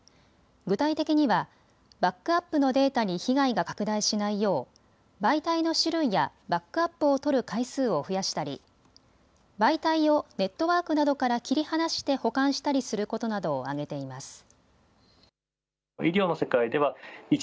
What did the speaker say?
具体的にはバックアップのデータに被害が拡大しないよう媒体の種類やバックアップを取る回数を増やしたり媒体をネットワークなどから切り離して保管したりすることなどを挙げています。